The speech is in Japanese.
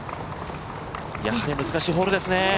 やはり難しいホールですね。